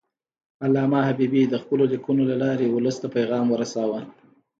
علامه حبیبي د خپلو لیکنو له لارې ولس ته پیغام ورساوه.